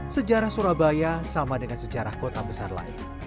sejarah surabaya sama dengan sejarah kota besar lain